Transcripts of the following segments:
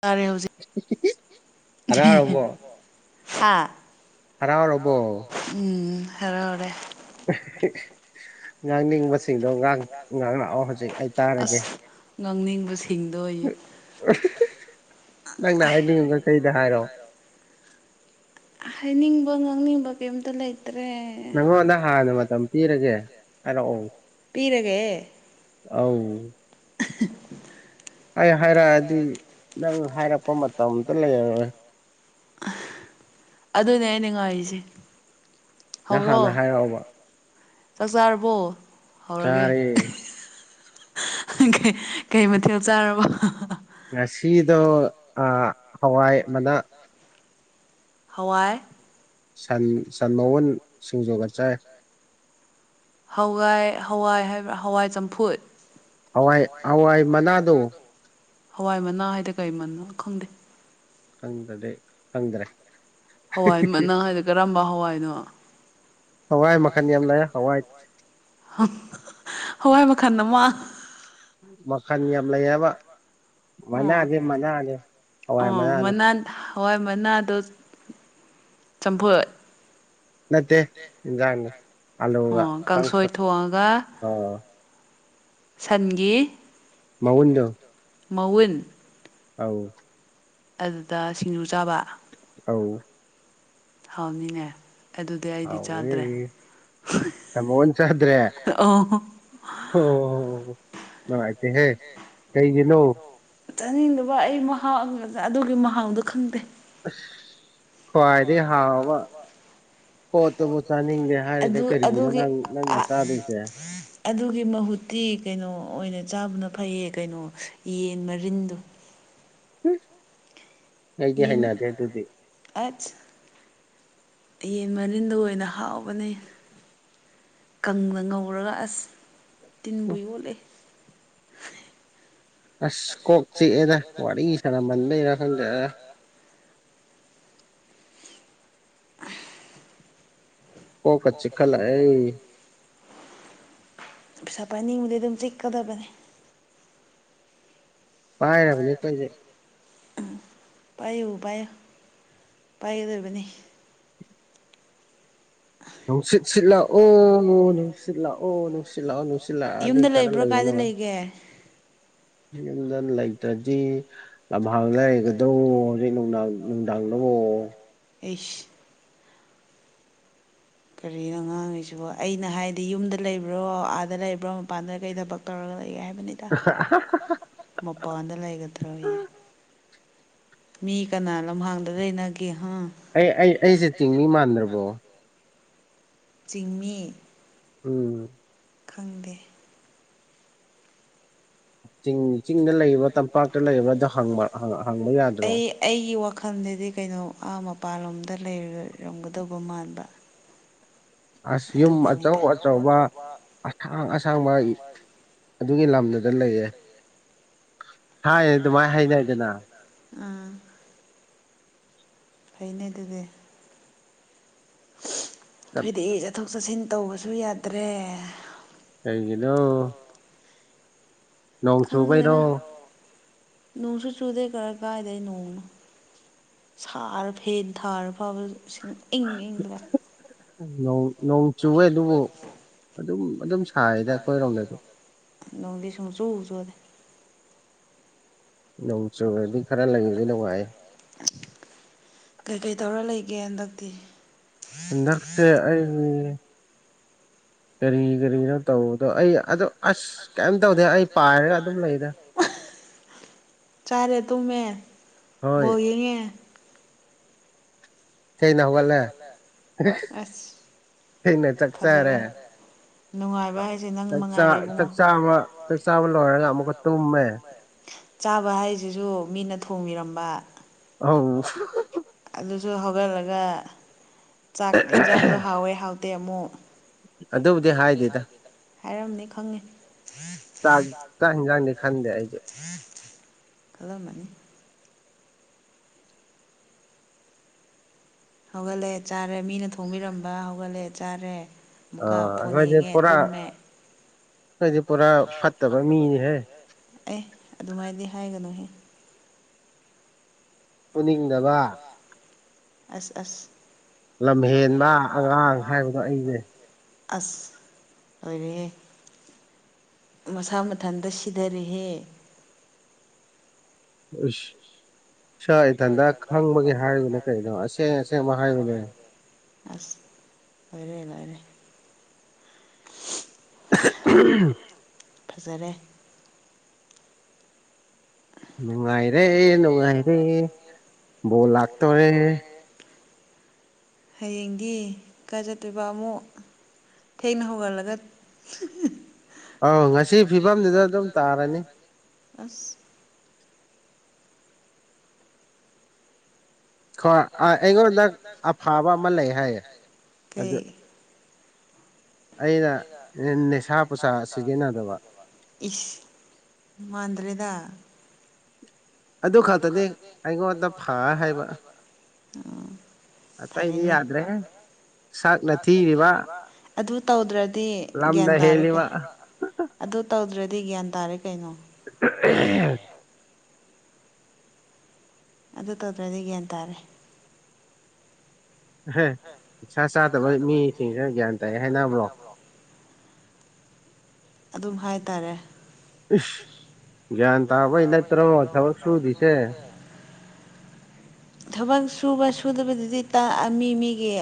ꯇꯥꯔꯦ ꯍꯧꯖꯤꯛ ꯑꯙꯥ ꯍꯕ ꯍꯥ ꯎꯝ ꯍꯔꯔꯦ ꯉꯥꯡꯅꯤꯡꯕꯁꯤꯡꯗꯣ ꯉꯥꯡꯂꯛꯑꯣ ꯍꯧꯖꯤꯛ ꯑꯩ ꯇꯥꯔꯒꯦ ꯉꯥꯡꯅꯤꯡꯕꯕꯁꯤꯦ ꯊꯤꯡꯗꯣꯌꯦ ꯅꯪꯅ ꯍꯥꯏꯅꯤꯡꯉꯕ ꯀꯩꯗ ꯍꯥꯏꯔꯣ ꯍꯥꯏꯅꯤꯡꯕ ꯉꯥꯡꯅꯤꯡꯕ ꯀꯩꯝꯇ ꯂꯩꯇ꯭ꯔꯦ ꯄꯤꯔꯒꯦ ꯑꯥꯎ ꯑꯩ ꯍꯥꯏꯔꯛꯑꯗꯤ ꯅꯪ ꯍꯥꯏꯔꯛꯄ ꯃꯇꯝꯇ ꯂꯩꯔꯦ ꯑꯗꯨꯅꯦ ꯑꯩꯅ ꯉꯥꯏꯔꯤꯁꯦ ꯍꯧꯔꯣ ꯆꯥꯛ ꯆꯥꯔꯕꯣ ꯍꯧꯔꯒꯦ ꯀꯩ ꯃꯊꯦꯜ ꯆꯥꯔꯕ ꯉꯁꯤꯗꯣ ꯍꯋꯥꯏ ꯃꯅꯥ ꯍꯋꯥꯏ ꯁꯟ ꯁꯟ ꯃꯎꯟ ꯁꯤꯡꯖꯣꯒ ꯆꯥꯏ ꯍꯋꯥꯏ ꯍꯋꯥꯏ ꯍꯥꯏꯕ꯭ꯔꯥ ꯍꯋꯥꯏ ꯆꯝꯐꯨꯠ ꯍꯋꯥꯏ ꯍꯋꯥꯏ ꯃꯅꯥꯗꯣ ꯍꯋꯥꯏ ꯃꯅꯥ ꯍꯥꯏꯗ ꯀꯩꯃꯅꯣ ꯈꯪꯗꯦ ꯈꯪꯗꯔꯗꯤ ꯈꯪꯗ꯭ꯔꯦ ꯍꯋꯥꯏ ꯃꯅꯥ ꯍꯥꯏꯗꯤ ꯀꯔꯝꯕ ꯍꯋꯥꯏꯅꯣ ꯍꯋꯥꯏ ꯃꯈꯟ ꯌꯥꯝ ꯂꯩꯑꯦ ꯍꯋꯥꯏ ꯍꯋꯥꯏ ꯃꯈꯜ ꯑꯃ ꯃꯈꯜ ꯌꯥꯝ ꯂꯩꯑꯕ ꯃꯅꯥꯗꯤ ꯃꯅꯥꯅꯦ ꯍꯋꯥꯏ ꯃꯅꯥꯅꯦ ꯍꯋꯥꯏ ꯃꯅꯥꯗꯨ ꯆꯝꯐꯨꯠ ꯅꯠꯇꯦ ꯏꯟꯖꯥꯡꯅꯨ ꯑꯜꯂꯨꯒ ꯀꯥꯡꯁꯣꯏ ꯑꯣ [inaudible] ꯁꯟꯒꯤ ꯃꯎꯟꯗꯣ ꯃꯧꯎꯟ ꯑꯧ ꯑꯗꯨꯗ ꯁꯤꯡꯖꯨ ꯆꯥꯕ ꯑꯧ ꯍꯥꯎꯅꯤꯅꯦ ꯑꯗꯨꯗꯤ ꯑꯩꯗꯤ ꯆꯥꯗ꯭ꯔꯦ [unintelligible] ꯑꯣ ꯍꯣ ꯅꯨꯡꯉꯥꯏꯇꯦꯍꯦ ꯀꯩꯒꯤꯅꯣ ꯆꯥꯅꯤꯡꯗꯕ ꯑꯩ ꯃꯍꯥꯎ ꯑꯗꯨꯒꯤ ꯃꯍꯥꯎꯗꯨ ꯈꯪꯗꯦ ꯑꯁ ꯈ꯭ꯋꯥꯏꯗꯩ ꯍꯥꯎꯕ ꯄꯣꯠꯇꯨꯕꯨ [unintelligible] ꯑꯗꯨ ꯑꯗꯨꯒꯤ [unintelligible] ꯑꯗꯨꯒꯤ ꯃꯍꯨꯠꯇꯤ ꯀꯩꯅꯣ ꯑꯣꯏꯅ ꯆꯥꯕꯅ ꯐꯩꯌꯦ ꯀꯩꯅꯣ ꯌꯦꯟ ꯃꯔꯤꯟꯗꯨ [unintelligible] ꯑꯩꯗꯤ ꯍꯩꯅꯗꯦ ꯑꯗꯨꯗꯤ ꯑꯠꯁ ꯌꯦꯟ ꯃꯔꯤꯟꯗꯣ ꯑꯣꯏꯅ ꯍꯥꯎꯕꯅꯤ ꯀꯪꯅ ꯉꯧꯔꯒ ꯑꯁ ꯇꯤꯟꯕꯨ ꯌꯣꯠꯂꯦ ꯑꯁ ꯀꯣꯛ ꯆꯤꯛꯑꯦꯗ ꯋꯥꯔꯤ ꯁꯥꯟꯅꯃꯟꯕꯩꯔꯥ ꯈꯪꯗꯦ ꯀꯣꯛꯀꯥ ꯆꯤꯛꯈꯠꯂꯛꯑꯦ ꯄꯩꯁꯥ ꯄꯥꯏꯅꯤꯡꯕꯗꯤ ꯑꯗꯨꯝ ꯆꯤꯛꯀꯗꯕꯅꯤ ꯄꯥꯏꯔꯕꯅꯤ ꯑꯩꯈꯣꯏꯗꯤ ꯄꯥꯏꯌꯨ ꯄꯥꯏꯌꯨ ꯄꯥꯏꯒꯗꯕꯅꯤ ꯅꯨꯡꯁꯤꯠ ꯁꯤꯠ ꯂꯥꯛꯑꯣ ꯅꯨꯡꯁꯤꯠ ꯂꯥꯛꯑꯣ ꯅꯨꯡꯁꯤꯠ ꯂꯥꯛꯑꯣ ꯅꯨꯡꯁꯤꯠ ꯂꯥꯛꯑꯣ ꯌꯨꯝꯗ ꯂꯩꯕ꯭ꯔꯣ ꯀꯥꯏꯗ ꯂꯩꯒꯦ ꯌꯨꯝꯗ ꯂꯩꯇꯗꯤ ꯂꯝꯍꯥꯡꯗ ꯂꯩꯒꯗꯣ ꯍꯧꯖꯤꯛ ꯅꯨꯡꯗꯥꯡ ꯅꯨꯡꯗꯥꯡ ꯗꯕꯣ ꯏꯁ ꯀꯔꯤꯅꯣ ꯑꯉꯥꯡꯉꯩꯁꯤꯕꯣ ꯑꯩꯅ ꯍꯥꯏꯗꯤ ꯌꯨꯝꯗ ꯂꯩꯕ꯭ꯔꯣ ꯑꯥꯗ ꯂꯩꯕ꯭ꯔꯣ ꯃꯄꯥꯟꯗ ꯀꯩ ꯊꯕꯛ ꯇꯧꯔꯒ ꯂꯩꯒꯦ ꯍꯥꯏꯕꯅꯤ [unintelligible] ꯃꯄꯥꯟꯗ ꯂꯩꯒꯗ꯭ꯔꯣꯌꯦ ꯃꯤ ꯀꯅꯥ ꯂꯝꯍꯥꯡꯗ ꯂꯩꯅꯒꯦ ꯍꯥ ꯑꯩ ꯑꯩ ꯑꯩꯁꯦ ꯆꯤꯡꯃꯤ ꯃꯥꯟꯗ꯭ꯔꯕꯣ ꯆꯤꯡꯃꯤ ꯎꯝ ꯈꯪꯗꯦ ꯆꯤꯡ ꯆꯤꯡꯗ ꯂꯩ [unintelligible] ꯑꯩ ꯑꯩꯒꯤ ꯋꯥꯈꯜꯗꯗꯤ ꯀꯩꯅꯣ ꯑꯥ ꯃꯄꯥꯟꯂꯣꯝꯗ ꯂꯩꯔꯝꯒꯗꯧꯕ ꯃꯥꯟꯕ ꯑꯁ ꯌꯨꯝ ꯑꯆꯧ ꯑꯆꯧꯕ ꯑꯁꯥꯡ ꯑꯁꯥꯡꯕ ꯑꯗꯨꯒꯤ ꯂꯝꯗꯨꯗ ꯂꯩꯌꯦ ꯍꯥꯏꯌꯦ ꯑꯗꯨꯃꯥꯏ ꯍꯥꯏꯅꯩꯗꯅ ꯑꯥ ꯐꯩꯅꯦ ꯑꯗꯨꯗꯤ ꯈꯣꯏꯗꯤ ꯆꯠꯊꯣꯛ ꯆꯠꯁꯤꯟ ꯇꯧꯕꯁꯨ ꯌꯥꯗ꯭ꯔꯦ ꯀꯩꯒꯤꯅꯣ ꯈꯪꯉꯤꯗꯅ ꯅꯣꯡꯁꯨ ꯆꯨꯗꯦ ꯀꯔ ꯀꯥꯏꯗꯩ ꯅꯣꯡꯅꯨ ꯁꯥꯔ ꯐꯦꯟ ꯊꯥꯔ ꯐꯥꯎꯕꯁꯤꯡ ꯏꯪ ꯏꯪꯕꯒꯣ ꯅꯣꯡ ꯅꯣꯡ ꯆꯨꯋꯦ ꯑꯗꯨꯕꯨ ꯑꯗꯨꯝ ꯑꯗꯨꯝ ꯁꯥꯏꯗ ꯑꯩꯈꯣꯏꯔꯣꯝꯗꯗꯤ ꯅꯣꯡꯗꯤ ꯁꯨꯡꯆꯨ ꯆꯨꯗꯦ ꯅꯣꯡ ꯆꯨꯨꯔꯗꯤ ꯈꯔ ꯂꯩꯕꯗꯤ ꯅꯨꯡꯉꯥꯏ ꯀꯩꯀꯩ ꯇꯧꯔ ꯂꯩꯒꯦ ꯍꯟꯗꯛꯇꯤ ꯍꯟꯗꯛꯇ ꯑꯩꯒꯤ ꯀꯔꯤ ꯀꯔꯤꯅꯣ ꯇꯧꯕꯗꯣ ꯑꯩ ꯑꯗꯨ ꯑꯁ ꯀꯩꯝ ꯇꯧꯗꯦ ꯑꯩ ꯄꯥꯏꯔꯒ ꯑꯗꯨꯝ ꯂꯩꯗ ꯆꯥꯔꯦ ꯇꯨꯝꯃꯦ ꯕꯣꯜ ꯌꯦꯡꯉꯦ ꯊꯦꯡꯅꯥ ꯍꯧꯒꯠꯂꯦ ꯊꯦꯡꯅꯥ ꯆꯥꯛ ꯆꯥꯔꯦ ꯅꯨꯡꯉꯥꯏꯕ ꯍꯥꯏꯁꯦ ꯅꯪ ꯃꯉꯥꯏꯔꯦ ꯏꯕꯨꯡꯉꯣ ꯆꯥꯕ ꯍꯥꯏꯁꯤꯁꯨ ꯃꯤꯅ ꯊꯣꯡꯕꯤꯔꯝꯕ ꯑꯧ ꯑꯗꯨꯁꯨ ꯍꯧꯒꯠꯂꯒ ꯆꯥꯛ ꯏꯟꯁꯥꯡꯗꯨ ꯍꯥꯎꯋꯦ ꯍꯥꯎꯇꯦ ꯑꯃꯨꯛ ꯍꯥꯏꯔꯝꯅꯤ ꯈꯪꯉꯦ ꯈꯜꯂꯝꯃꯅꯤ ꯍꯧꯒꯠꯂꯦ ꯆꯥꯔꯦ ꯃꯤꯅ ꯊꯣꯡꯕꯤꯔꯝꯕ ꯍꯧꯒꯠꯂꯦ ꯆꯥꯔꯦ ꯑꯃꯨꯛꯀꯥ ꯐꯣꯟ ꯌꯦꯡꯉꯦ ꯇꯨꯝꯃꯦ ꯑꯩꯗꯤ ꯄꯨꯔꯥ ꯐꯠꯇꯕ ꯃꯤꯅꯤꯍꯦ ꯑꯦ ꯑꯗꯨꯃꯥꯏꯗꯤ ꯍꯥꯏꯒꯅꯨꯍꯦ ꯑꯁ ꯑꯁ ꯂꯝꯍꯦꯟꯕ ꯑꯉꯥꯡ ꯍꯥꯏꯕꯗꯣ ꯑꯩꯅꯦ ꯑꯁ ꯂꯣꯏꯔꯦꯍꯦ ꯃꯁꯥ ꯃꯊꯟꯇ ꯁꯤꯗꯥꯔꯦꯍꯦ ꯑꯁ ꯏꯁꯥ ꯏꯊꯟꯗ ꯈꯪꯕꯒꯤ ꯍꯥꯏꯕꯅꯦ ꯀꯩꯅꯣ ꯑꯁꯦꯡ ꯑꯁꯦꯡꯕ ꯍꯥꯏꯕꯅꯦ ꯑꯁ ꯂꯣꯏꯔꯦ ꯂꯣꯏꯔꯦ ꯎꯝ ꯐꯖꯔꯦ ꯅꯨꯡꯉꯥꯏꯔꯦ ꯅꯨꯡꯉꯥꯏꯔꯦ ꯕꯣꯜ ꯂꯥꯛꯇꯣꯔꯦ ꯍꯌꯦꯡꯗꯤ ꯀꯥꯏ ꯆꯠꯇꯣꯏꯕ ꯑꯃꯨꯛ ꯊꯦꯡꯅ ꯍꯧꯒꯠꯂꯒ ꯑꯧ ꯉꯁꯤ ꯐꯤꯕꯝꯗꯨꯗ ꯑꯗꯨꯝ ꯇꯥꯔꯅꯤ ꯑꯁ ꯈꯣꯏ ꯑꯥ ꯑꯩꯉꯣꯟꯗ ꯑꯐꯕ ꯑꯃ ꯂꯩ ꯍꯥꯏꯌꯦ ꯑꯗꯨ ꯑꯩꯅ ꯂꯦꯁꯥ ꯄꯨꯁꯥ ꯁꯤꯖꯤꯟꯅꯗꯕ ꯏꯁ ꯃꯥꯟꯗꯔꯦꯗ ꯑꯗꯨ ꯈꯛꯇꯗꯤ ꯑꯩꯉꯣꯟꯗ ꯐ ꯍꯥꯏꯕ ꯎꯝ ꯐꯔꯦꯅꯦ ꯑꯗꯨ ꯇꯧꯗ꯭ꯔꯗꯤ ꯒ꯭ꯌꯥꯟ ꯇꯥꯔꯦꯅꯦ ꯑꯗꯨ ꯇꯧꯗ꯭ꯔꯗꯤ ꯒ꯭ꯌꯥꯟ ꯇꯥꯔꯦ ꯀꯩꯅꯣ [unintelligible] ꯑꯗꯨ ꯇꯧꯗ꯭ꯔꯗꯤ ꯒ꯭ꯌꯥꯟ ꯇꯥꯔꯦ ꯅꯤꯁꯥ ꯆꯥꯗꯕ ꯃꯤꯁꯤꯡꯁꯤ ꯒ꯭ꯌꯥꯟ ꯇꯥꯏ ꯍꯥꯏꯅꯕ꯭ꯔꯣ ꯑꯗꯨꯝ ꯍꯥꯏꯇꯥꯔꯦ ꯏꯁ ꯒꯌꯥꯟ ꯇꯥꯕꯩ ꯅꯠꯇ꯭ꯔꯣꯞ ꯊꯕꯛ ꯁꯨꯗꯤꯁꯦ ꯊꯕꯛ ꯁꯨꯕ ꯁꯨꯗꯕꯗꯨꯗꯤ ꯇꯥꯛꯑ ꯃꯤ ꯃꯤꯒꯤ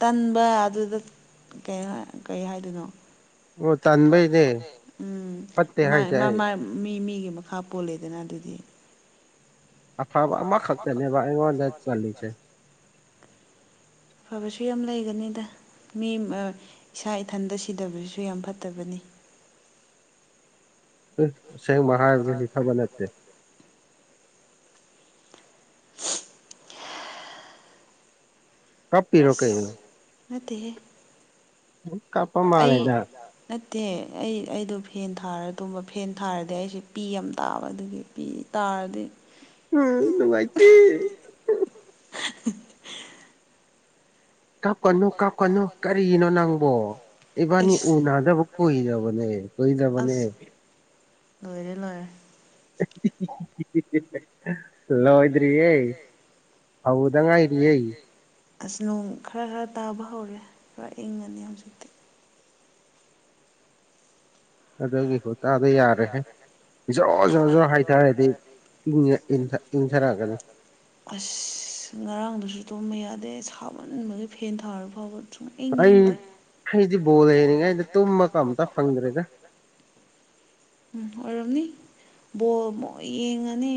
ꯇꯟꯕ ꯑꯗꯨꯗ ꯀꯩ ꯍꯥꯏ ꯀꯩ ꯍꯥꯏꯗꯣꯏꯅꯣ ꯎꯝ ꯃꯥꯏ ꯃꯥ ꯃꯥꯏ ꯃꯤ ꯃꯤꯒꯤ ꯃꯈꯥ ꯄꯣꯜꯂꯤꯗꯅ ꯑꯗꯨꯗꯤ ꯑꯐꯥꯕ ꯑꯃ ꯈꯠꯇꯅ‌ꯦꯕ ꯑꯩꯉ‌ꯣꯟꯗ ꯆꯜꯂꯤꯁ‌ꯦ ꯐꯕꯁꯨ ꯌꯥꯝ ꯂꯩꯒꯅꯤꯗ ꯃꯤ ꯏꯁꯥ ꯏꯊꯟꯗ ꯁꯤꯗꯕꯕꯁꯤꯁꯨ ꯌꯥꯝ ꯐꯠꯇꯕꯅꯤ ꯎ ꯑꯁꯦꯡꯕ ꯍꯥꯏꯕꯗꯨꯗꯤ ꯐꯕ ꯅꯠꯇꯦ [unintelligible] ꯃꯠꯇ ꯑꯩ ꯅꯠꯇꯦ ꯑꯩ ꯑꯩꯗꯣ ꯐꯦꯟ ꯊꯥꯔ ꯇꯨꯝꯕ ꯐꯦꯟ ꯊꯥꯔꯗꯤ ꯑꯩꯁꯦ ꯄꯤ ꯑꯃ ꯇꯥꯕ ꯑꯗꯨꯒꯤ ꯄꯤ ꯇꯥꯔꯗꯤ ꯎꯝ ꯅꯨꯡꯉꯥꯏꯇ‌ꯦ ꯀꯥꯞꯀꯅꯨ ꯀꯥꯞꯀꯅꯨ ꯀꯔꯤꯒꯤꯅꯣ ꯅꯪꯕꯣ ꯏꯕꯥꯅꯤ ꯎꯅꯗꯕ ꯀꯨꯏꯔꯕꯅꯦ ꯀꯨꯏꯗꯔꯕꯅ‌ꯦ ꯂꯣꯏꯔꯦ ꯂꯣꯏꯔꯦ [unintelligible] ꯂ‌ꯣꯏꯗ꯭ꯔꯤꯌ‌ꯦ ꯍꯧꯕꯗ ꯉꯥꯏꯔꯤꯌ‌ꯦ ꯑꯁ ꯅꯣꯡ ꯈꯔ ꯈꯔ ꯇꯥꯕ ꯍꯧꯔꯦ ꯄꯨꯔ ꯏꯪꯉꯅꯤ ꯍꯧꯖꯤꯛꯇꯤ ꯑꯗꯨꯒꯤ ꯈꯨꯇꯥꯗꯨ ꯌꯥꯔꯦꯍꯦ ꯖ‌ꯣꯔ‌ ꯖ‌ꯣꯔ ꯖꯣꯔ ꯍꯩꯊꯔꯗꯤ [unintelligible] ꯏꯪꯊꯔꯛꯑꯒꯅꯤ ꯑꯁ ꯉꯔꯥꯡꯗꯨꯁꯨ ꯇꯨꯝꯕ ꯌꯥꯗꯦ ꯁꯥꯃꯟꯕꯒꯤ ꯐꯦꯟ ꯊꯥꯔ ꯐꯥꯎꯕ ꯑꯩ ꯑꯩꯗꯤ ꯕꯣꯜ ꯂꯩꯔꯤꯉꯩꯗ ꯇꯨꯝꯕꯒ ꯑꯝꯇ ꯐꯪꯗ꯭ꯔꯦꯗ ꯎꯝ ꯑꯣꯏꯔꯝꯅꯤ ꯕꯣꯜ ꯑꯃꯨꯛ ꯌꯦꯡꯉꯅꯤ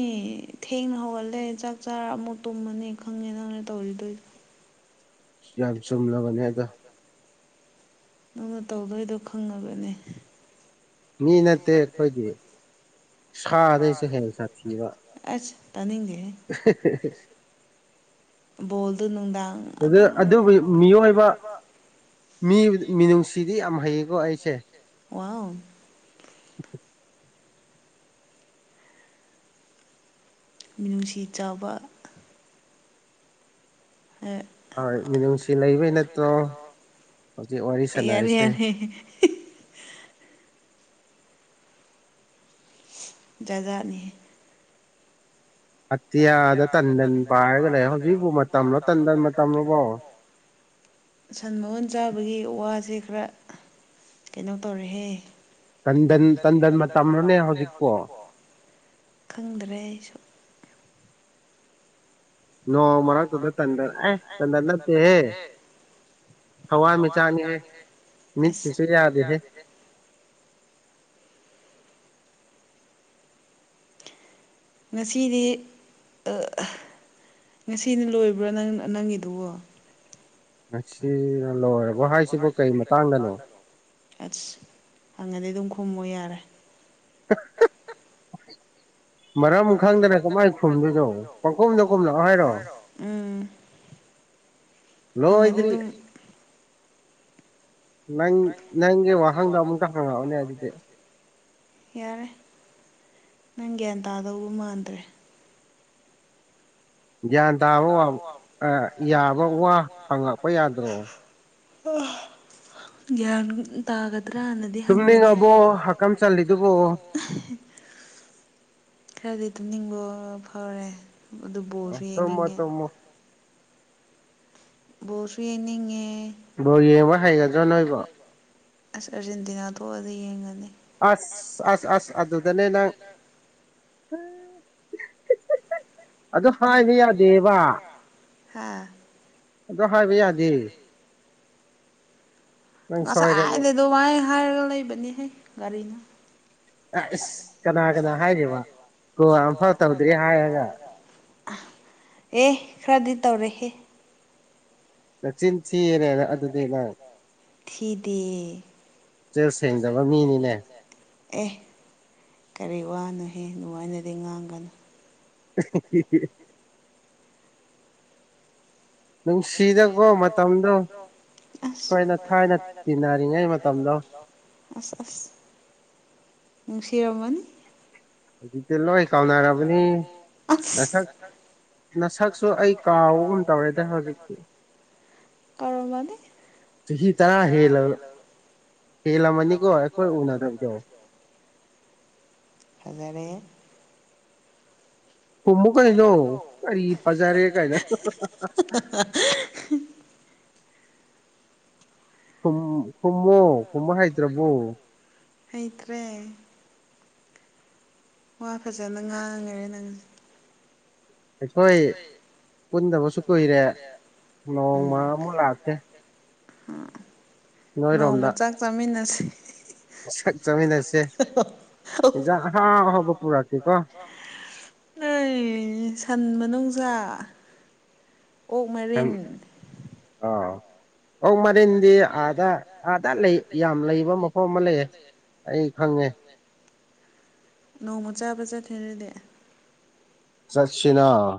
ꯊꯦꯡꯅ ꯍꯧꯒꯠꯂꯦ ꯆꯥꯛ ꯆꯥꯔ ꯑꯃꯨꯛ ꯇꯨꯝꯃꯅꯤ ꯈꯪꯉꯦ ꯅꯪꯅ ꯇꯧꯔꯤꯗꯨ ꯌꯥꯝ ꯆꯨꯝꯂꯕꯅꯤ ꯑꯗꯨ ꯅꯪꯅ ꯇꯧꯗꯣꯏꯗꯣ ꯈꯪꯉꯕꯅꯤ ꯃꯤ ꯅꯠꯇꯦ ꯈꯣꯏꯗꯤ ꯈꯥꯔ‌ꯦ ꯑꯁ ꯇꯥꯅꯤꯡꯗ‌ꯦꯍ‌ꯦ [unintelligible] ꯕꯣꯜꯗ‌ꯣ ꯅꯨꯡꯗꯥꯡ ꯑꯗꯨꯝ [unintelligible] ꯃꯤ ꯃꯤꯅꯨꯡꯁꯤꯗꯤ ꯌꯥꯝ ꯍꯩꯌꯦꯀꯣ ꯑꯩꯁꯦ ꯋꯥꯎ ꯃꯤꯅꯨꯡꯁꯤ ꯆꯥꯎꯕ ꯑꯦ ꯍꯣꯏ ꯃꯤꯅꯨꯡꯁꯤ ꯂꯩꯕꯩ ꯅꯠꯇ꯭ꯔꯣ ꯍꯧꯖꯤꯛ ꯋꯥꯔꯤ ꯁꯥꯟꯅꯔꯤꯁꯦ [unintelligible] ꯖꯥꯠ ꯖꯥꯠꯅꯤ ꯑꯇꯤꯌꯥꯗ ꯇꯟꯗꯟ ꯄꯥꯏꯔꯒ ꯂꯩ ꯍꯧꯖꯤꯛꯄꯨ ꯃꯇꯝꯂꯣ ꯇꯟꯗꯟ ꯃꯇꯝꯂꯣꯕꯣ ꯁꯟ ꯃꯎꯟ ꯆꯥꯕꯒꯤ ꯋꯥꯁꯦ ꯈꯔ ꯀꯩꯅꯣ ꯇꯧꯔꯦꯍꯦ ꯇꯟꯗꯟ ꯇꯟꯗꯟ ꯃꯇꯝꯔꯅꯦ ꯍꯧꯖꯤꯛꯄꯣ ꯈꯪꯗ꯭ꯔꯦ ꯑꯩꯁꯨ ꯅꯣꯡ ꯃꯔꯛꯇꯨꯗ ꯇꯟꯗꯔ ꯑ‌ꯦ ꯇꯟꯗꯔ ꯅꯠꯇ‌ꯦꯍ‌ꯦ ꯍꯋꯥꯟ ꯃꯤꯆꯥꯛꯅꯤꯍꯦ ꯃꯤꯠꯁꯤꯁꯨ ꯌꯥꯗꯦꯍꯦ ꯉꯁꯤꯗꯤ ꯉꯁꯤꯅ ꯂꯣꯏꯕ꯭ꯔ‌ꯣ ꯅꯪ ꯅꯪꯒꯤꯗꯨꯕꯣ ꯉꯁꯤ ꯂꯣꯏꯔꯕꯣ ꯍꯥꯏꯁꯤꯕꯨ ꯀꯩ ꯃꯇꯥꯡꯗꯅꯣ ꯑꯁ ꯐꯪꯉꯗꯤ ꯑꯗꯨꯝ ꯈꯨꯝꯃꯣ ꯌꯥꯔꯦ [inaudible] ꯃꯔꯝ ꯈꯪꯗꯅ ꯀꯃꯥꯏ ꯈꯨꯝꯗꯣꯏꯅꯣ ꯄꯪꯈꯨꯝꯗꯣ ꯀꯨꯝꯂꯛꯑꯣ ꯍꯥꯏꯔꯣ ꯎꯝ ꯂꯣꯏꯗ꯭ꯔꯤ ꯅꯪ ꯅꯪꯒꯤ ꯋꯥꯍꯪꯗ‌ꯣ ꯑꯃꯨꯛꯀ ꯍꯪꯉꯛꯎꯅ‌ꯦ ꯑꯗꯨꯗꯤ ꯌꯥꯔꯦ ꯅꯪ ꯒ꯭ꯌꯥꯟ ꯇꯥꯗꯧꯕ ꯃꯥꯟꯗ꯭ꯔꯦ ꯒ꯭ꯌꯥꯟ ꯇꯥꯕ ꯌꯥꯕ [unintelligible] ꯋꯥ ꯍꯪꯉꯛꯄ ꯌꯥꯗ꯭ꯔꯣ [unintelligible] ꯇꯨꯝꯅꯤꯡꯉꯕꯣ ꯍꯀꯝ ꯆꯜꯂꯤ‌ꯗꯨꯕ‌ꯣ [inaudible] ꯈꯔꯗꯤ ꯇꯨꯝꯅꯤꯡꯕ ꯐꯥꯎꯔꯦ ꯑꯗꯨ ꯕꯣꯔꯁꯨ ꯌꯦꯡꯅꯤꯡꯉꯦ ꯕꯣꯔꯁꯨ ꯌꯦꯅꯤꯡꯉꯦ ꯑꯁ ꯑꯥꯔꯖꯦꯟꯇꯤꯅꯥ ꯊꯣꯛꯑꯗꯤ ꯌꯦꯡꯉꯅꯤ ꯑꯁ ꯑꯁ ꯑꯁ ꯑꯗꯨ ꯑꯗꯨꯗꯅꯦ ꯅꯪ ꯑꯗꯨ ꯍꯥꯏꯕ ꯌꯥꯗꯦꯕ ꯍꯥꯥ ꯑꯗꯣ ꯍꯥꯏꯕ ꯌꯥꯗꯦ ꯉꯁꯥꯏ ꯍꯥꯏꯥꯏꯗꯗꯣ ꯋꯥꯏ ꯍꯥꯏꯔꯒ ꯂꯩꯕꯅꯤꯍꯦ ꯒꯥꯔꯤꯅ ꯑ ꯑꯁ ꯀꯅꯥ ꯀꯅꯥ ꯍꯥꯏꯕ ꯀꯣ ꯑꯝꯐꯥꯎ ꯇꯧꯗ꯭ꯔꯤ ꯍꯥꯏꯔꯒ ꯑ ꯑꯦ ꯈꯔꯗꯤ ꯇꯧꯔꯦꯍꯦ ꯅꯆꯤꯟ ꯊꯤꯅꯦ ꯑꯗꯨꯗꯤ ꯅ ꯊꯤꯗ ꯆꯦ ꯁꯦꯡꯗꯕ ꯃꯤꯅꯤꯅꯦ ꯑꯦ ꯀꯔꯤ ꯋꯥꯅꯣꯍꯦ ꯅꯨꯡꯉꯥꯏꯅꯗꯤ ꯉꯥꯡꯒꯅꯨ [unintelligible] ꯅꯨꯡꯁꯤꯗꯀꯣ ꯃꯇꯝꯗꯣ ꯑꯩꯣꯏꯅ ꯊꯥꯏꯅ ꯇꯤꯟꯅꯔꯤꯉꯩ ꯃꯇꯝꯗꯣ ꯑꯁ ꯑꯁ ꯅꯨꯡꯁꯤꯔꯟ ꯍꯧꯖꯤꯛ ꯇ ꯂꯣꯏ ꯀꯥꯎꯅꯥꯔꯕꯨ ꯅꯁ ꯅꯁꯛꯁꯨ ꯑꯩ ꯀꯥꯎꯕꯒꯨꯝ ꯇꯧꯔꯦꯗ ꯍꯧꯖꯤꯛꯇꯤ ꯀꯥꯎꯔꯝ ꯃꯥꯅꯤ ꯆꯍꯤ ꯇꯔꯥ ꯍꯦꯜꯂ ꯍꯦꯜꯂꯝꯃꯅꯤꯀꯣ ꯑꯩꯈꯣꯏ ꯎꯅꯗꯣꯏꯗꯣ ꯐꯖꯔ ꯍꯨꯝꯃꯨ ꯀꯔꯤꯅꯣ ꯀꯔꯤ ꯐꯖꯔꯦ ꯀꯥꯏꯅ ꯑ ꯈꯨꯝꯃꯨ ꯈꯨꯝꯃꯣ ꯍꯥꯏꯇ꯭ꯔꯕꯣ ꯍꯩꯇ꯭ꯔꯦ ꯋꯥ ꯐꯖꯅ ꯉꯥꯡꯉꯔꯦ ꯅꯪꯁꯦ ꯑꯩꯈꯣꯏ ꯄꯨꯟꯗꯕꯁꯨ ꯀꯨꯏꯔꯦ ꯅꯣꯡꯃ ꯑꯃꯨꯛ ꯂꯥꯛꯀꯦ ꯅꯣꯡꯃ ꯆꯥꯛ ꯆꯥꯃꯤꯟꯅꯁꯤ ꯁꯛ ꯆꯥꯃꯤꯟꯅꯁꯦꯖ ꯍꯥꯎ ꯍꯕ ꯄꯨꯔꯛꯀꯦꯀꯣ ꯑꯩ ꯁꯟ ꯃꯅꯨꯡꯅꯅꯨꯡꯖꯥ ꯑꯣꯛ ꯃꯔꯤꯟ ꯑ ꯃꯥ ꯀꯂꯦꯟꯗꯤ ꯑꯥꯗ ꯑꯥꯗꯥ ꯂꯩ ꯌꯥꯝ ꯂꯩꯕ ꯃꯐꯝ ꯑꯃ ꯂꯩꯌꯦ ꯑꯩ ꯈꯪꯉꯦ ꯅꯣꯡꯃ ꯆꯥꯕ ꯆꯠꯈꯤ ꯑꯗꯨꯗꯤ ꯆꯠꯁꯤꯔ